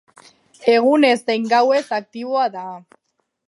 Egunez zein gauez aktiboa da.